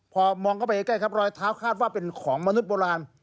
พอมองเข้าไปใกล้ครับรอยเท้าคาดว่าเป็นของมนุษย์โบราณ